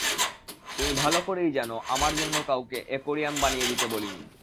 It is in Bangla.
তুমি ভালো করেই জানো, আমার জন্য কাউকে অ্যাকোরিয়াম বানিয়ে দিতে বলিনি।